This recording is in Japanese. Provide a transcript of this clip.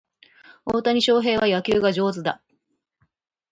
大谷翔平は野球が上手だ